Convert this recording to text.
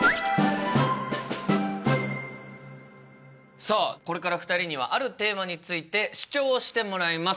さあこれから２人にはあるテーマについて主張をしてもらいます。